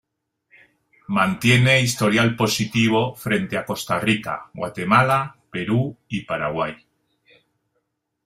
Mantiene historial positivo frente Costa Rica, Guatemala, Perú y Paraguay.